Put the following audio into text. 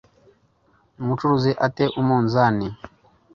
umucuruzi a te umunzani